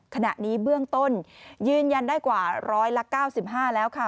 ขณะนี้เบื้องต้นยืนยันได้กว่าร้อยละ๙๕แล้วค่ะ